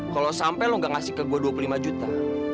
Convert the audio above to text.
kalau sampai lo gak ngasih ke gua dua puluh lima juta